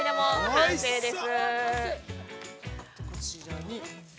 ◆完成です！